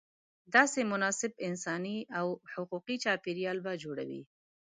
داسې مناسب انساني او حقوقي چاپېریال به جوړوې.